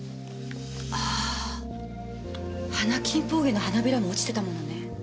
ああハナキンポウゲの花びらも落ちてたものね。